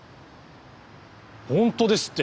本当ですって。